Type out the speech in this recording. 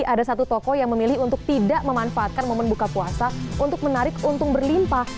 ada satu toko yang memilih untuk tidak memanfaatkan momen buka puasa untuk menarik untung berlimpah